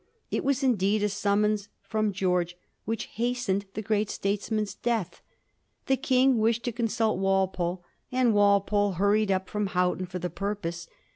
It was indeed a summons from George which hastened the great statesman's death. The King wished to consult Walpole, and Walpole hurried up from Houghton for the purpose.